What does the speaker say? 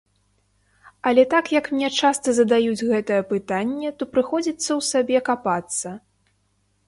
Але так як мне часта задаюць гэтае пытанне, то прыходзіцца ў сабе капацца.